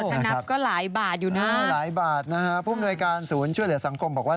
โอ้ถนับก็หลายบาทอยู่น่ะนะครับพูดคุยกันศูนย์ช่วยเหลือสังคมบอกว่า